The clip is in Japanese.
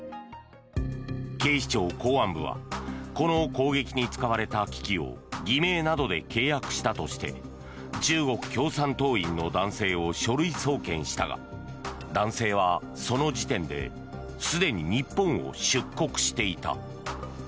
警視庁公安部はこの攻撃に使われた機器を偽名などで契約したとして中国共産党員の男性を書類送検したが男性はその時点ですでに日本を出国していた。